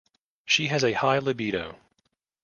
She has a high libido.